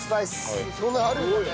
そんなのあるんだね。